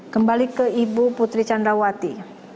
kembali ke ibu putri candrawati